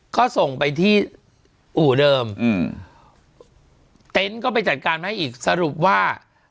ก็ส่งไปที่อู่เดิมอืมเต็นต์ก็ไปจัดการมาให้อีกสรุปว่า